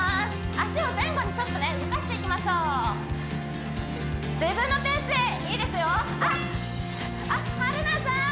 足を前後にちょっとね動かしていきましょう自分のペースでいいですよあっあっ春菜さん